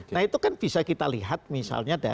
nah itu kan bisa kita lihat misalnya